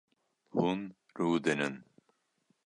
Hûn rûdinin